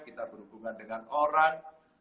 kita berhubungan dengan orang